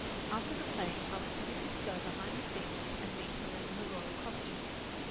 After the play I was permitted to go behind the scenes and meet her in her royal costume.